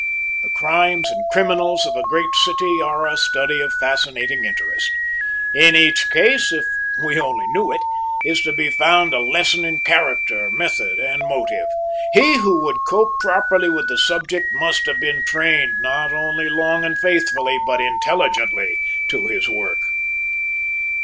The crimes and criminals of a great city are a study of fascinating interest. In each case, if we only knew it, is to be found a lesson in character, method, and motive. He who would cope properly with the subject must have been trained, not only long and faithfully but intelligently, to his work.